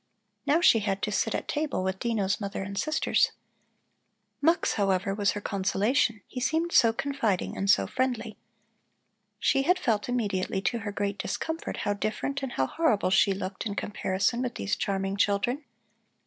Now she had to sit at table with Dino's mother and sisters. Mux, however, was her consolation; he seemed so confiding and so friendly. She had felt immediately to her great discomfort how different and how horrible she looked in comparison with these charming children.